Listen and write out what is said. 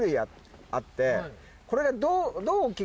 これが。